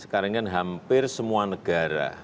sekarang ini kan hampir semua negara